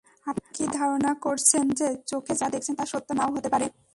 আপনি কী ধারণা করছেন যে, চোখে যা দেখছেন তা সত্য না-ও হতে পারে?